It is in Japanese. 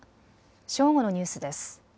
正午のニュースです。